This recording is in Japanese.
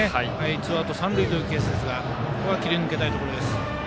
ツーアウト三塁のケースですが切り抜けたいところです。